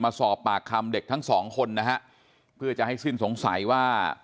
มาสอบปากคำเด็กทั้งสองคนนะฮะเพื่อจะให้สิ้นสงสัยว่า